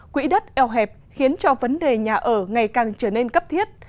quỹ đất eo hẹp khiến cho vấn đề nhà ở ngày càng trở nên cấp thiết